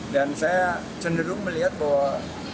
dan saya cenderung melihat bahwa